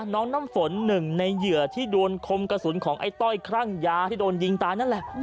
น้ำฝนหนึ่งในเหยื่อที่โดนคมกระสุนของไอ้ต้อยคลั่งยาที่โดนยิงตายนั่นแหละ